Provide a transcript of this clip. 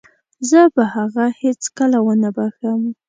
زه به هغه هيڅکله ونه وبښم.